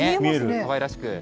かわいらしく。